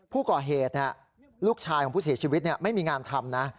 ผู้ก่อเหตุลูกชายของผู้เสียชีวิตไม่มีงานทำนะ